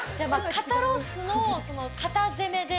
肩ロースの肩攻めで。